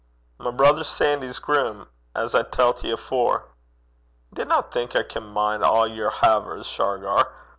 'My brither Sandy's groom, as I tellt ye afore.' 'Ye dinna think I can min' a' your havers, Shargar.